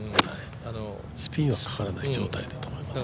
スピンはかからない状態だと思います。